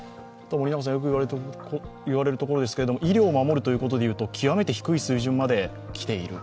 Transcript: よく言われるところですが、医療を守るというところでいうと極めて低い水準まで来ている。